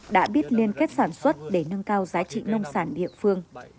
đã biết liên kết sản xuất để nâng cao giá trị nông sản địa phương